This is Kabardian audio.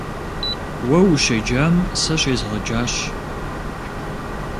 Уэ ущеджам сэ щезгъэджащ.